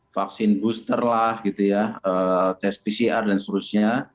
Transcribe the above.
vaksin booster lah gitu ya tes pcr dan seterusnya